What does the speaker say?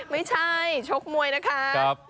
ไม่ใช่ชกมวยนะครับ